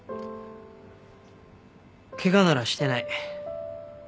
ケガならしてない。